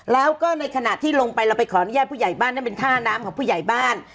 แล้วก็ในขณะที่ลงไปเราไปขออนุญาตผู้ใหญ่บ้านนั่นเป็นท่าน้ำของผู้ใหญ่บ้าน